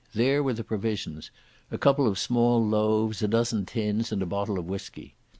There were the provisions—a couple of small loaves, a dozen tins, and a bottle of whisky.